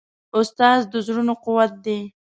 استاد د زړونو قوت دی.